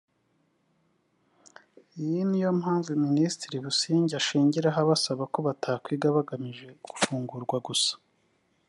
Iyi ni yo Mpamvu Minisitiri Busingye ashingiraho abasaba ko batakwiga bagamije gufungurwa gusa